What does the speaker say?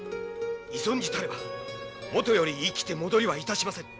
射損じたればもとより生きて戻りはいたしませぬ。